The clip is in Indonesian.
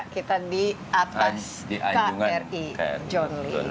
kita di atas kri john lee